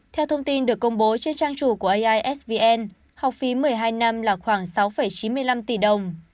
theo thông tin được công bố trên trang chủ của aisvn học phí một mươi hai năm là khoảng sáu chín mươi năm tỷ đồng